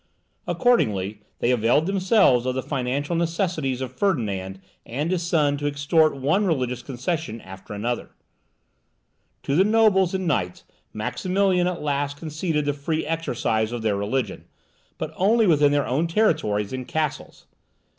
Accordingly, they availed themselves of the financial necessities of Ferdinand and his son to extort one religious concession after another. To the nobles and knights, Maximilian at last conceded the free exercise of their religion, but only within their own territories and castles.